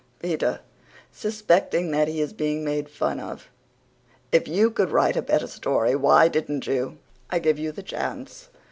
PETER, SUSPECTING THAT HE IS BEING MADE FUN OF: "If you could write a better story, why didn't you? I give you the chance."